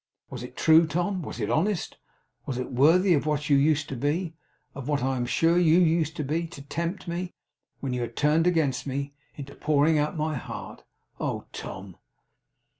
Was it true, Tom! Was it honest! Was it worthy of what you used to be of what I am sure you used to be to tempt me, when you had turned against me, into pouring out my heart! Oh, Tom!